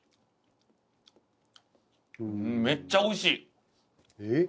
めっちゃおいしいえっ？